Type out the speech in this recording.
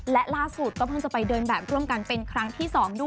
และล่าสุดก็เพิ่งจะไปเดินแบบร่วมกันเป็นครั้งที่๒ด้วย